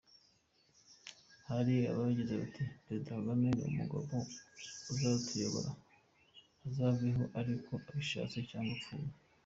Hari abagize bati: “Perezida Kagame ni umugabo, azatuyobore, azaveho ari uko abyishakiye cyangwa apfuye.